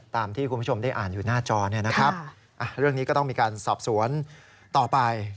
ตามที่คุณผู้ชมได้อ่านอยู่หน้าจอเนี่ยนะครับเรื่องนี้ก็ต้องมีการสอบสวนต่อไป